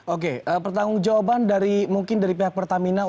oke pertanggung jawaban mungkin dari pihak pertamina untuk